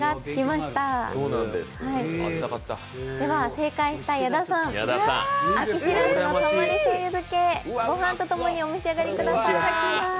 正解した矢田さん、秋しらすのたまりしょうゆ漬け、ご飯と共にお召し上がりください。